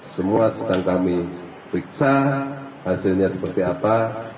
semua sedang kami periksa hasilnya seperti apa